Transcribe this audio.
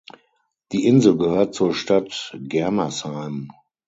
Die Insel gehört zur Stadt Germersheim.